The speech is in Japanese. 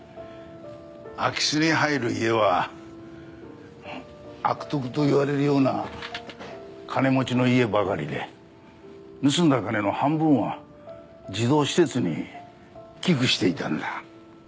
空き巣に入る家は悪徳と言われるような金持ちの家ばかりで盗んだ金の半分は児童施設に寄付していたんだ。